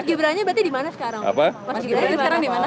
mas gibrannya dimana sekarang